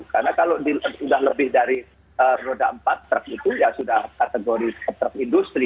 karena kalau sudah lebih dari roda empat truk itu ya sudah kategori truk industri